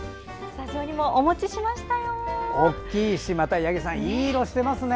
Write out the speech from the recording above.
スタジオにもお持ちしましたよ。